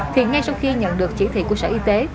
thì ngay sau khi nhận được chỉ thị của sở y tế